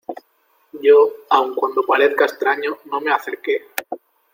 yo, aun cuando parezca extraño , no me acerqué.